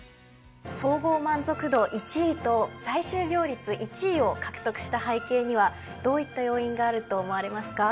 総合満足度１位と再就業率１位を獲得した背景にはどういった要因があると思われますか？